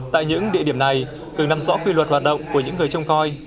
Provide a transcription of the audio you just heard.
tại những địa điểm này cường nắm rõ quy luật hoạt động của những người trông coi